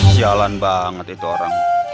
sialan banget itu orang